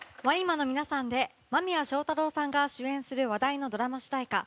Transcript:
ＷＡＮＩＭＡの皆さんで間宮祥太朗さんが主演する話題のドラマ主題歌